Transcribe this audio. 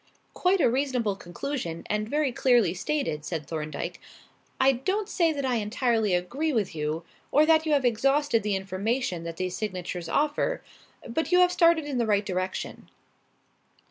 "Quite a reasonable conclusion and very clearly stated," said Thorndyke. "I don't say that I entirely agree with you, or that you have exhausted the information that these signatures offer. But you have started in the right direction."